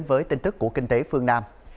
với tin tức của kinh tế phương nam